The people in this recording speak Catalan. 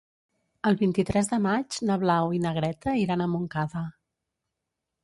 El vint-i-tres de maig na Blau i na Greta iran a Montcada.